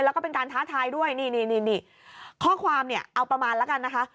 แล้วก็เป็นการท้าทายด้วยนี่นี่ข้อความเนี่ยเอาประมาณแล้วกันนะคะ